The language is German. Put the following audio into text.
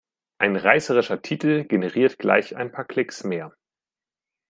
Ein reißerischer Titel generiert gleich ein paar Klicks mehr.